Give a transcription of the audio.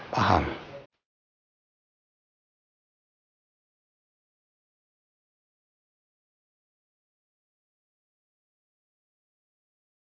nino kamu bisa jadi dokter